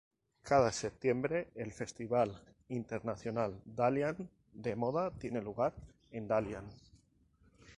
Cada septiembre, el Festival Internacional Dalian de Moda tiene lugar en Dalian.